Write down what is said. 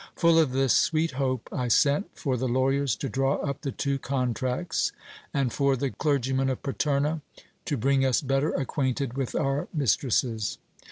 Full of this sweet hope I sent for the lawyers to draw up the two contracts, and for the clergyman of Paterna, to bring us better acquainted with our mistresses.